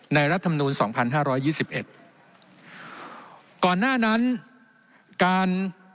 ในรัฐธรรมนูล๒พัน๕๒๑ก่อนหน้านั้นการ